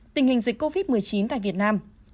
tình hình dịch covid một mươi chín tại việt nam